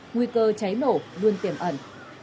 nguy cơ cháy nổ luôn tiềm ẩn